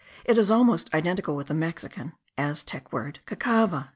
It is almost identical with the Mexican (Aztec) word cacava.).